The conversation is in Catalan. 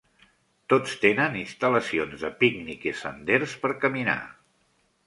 Tots tenen instal·lacions de pícnic i senders per caminar.